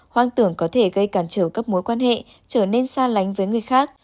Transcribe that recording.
hoang tưởng có thể gây cản trở các mối quan hệ trở nên xa lánh với người khác